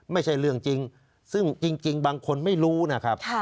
ไม่ใช่เรื่องจริงซึ่งจริงบางคนไม่รู้นะครับ